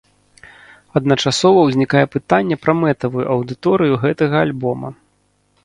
Адначасова ўзнікае пытанне пра мэтавую аўдыторыю гэтага альбома.